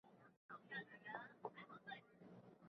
该团秘书长郭长乐。